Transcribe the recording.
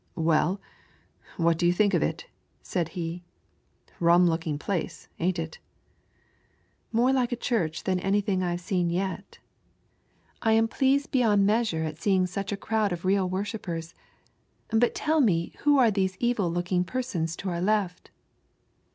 "Well, what do you think of it?" said he, ^'rum looking place, ain't it? " More like a Church than anything I*ve seen yet. SABUM USE. 85 I am pleased beyond measure at seeing such a crowd of real worshippers. But tell me who are those evil looking persons to our left